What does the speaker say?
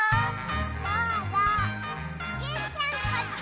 どうぞジュンちゃんこっち！